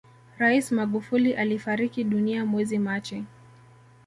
rais magufuli alifariki dunia mwezi machi